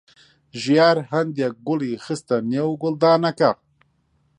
ژیار هەندێک گوڵی خستە نێو گوڵدانەکە.